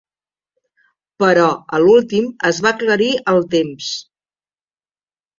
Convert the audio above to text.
Però a l'últim es va aclarir el temps